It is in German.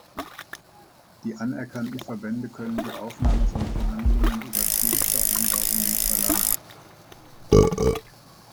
Die anerkannten Verbände können die Aufnahme von Verhandlungen über Zielvereinbarungen verlangen.